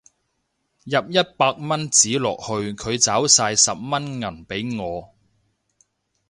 入一百蚊紙落去佢找晒十蚊銀俾我